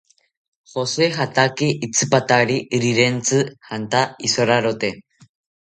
Jose jataki itsipatari rirentzi janta isorarote